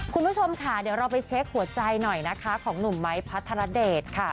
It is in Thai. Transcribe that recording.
คุณผู้ชมค่ะเดี๋ยวเราไปเช็คหัวใจหน่อยนะคะของหนุ่มไม้พัทรเดชค่ะ